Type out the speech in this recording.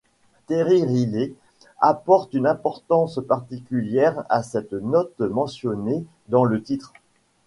Terry Riley apporte une importance particulière à cette note mentionnée dans le titre.